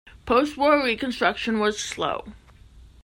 Post-war reconstruction was slow.